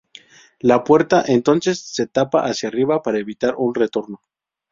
La puerta entonces se tapa hacia arriba para evitar un retorno.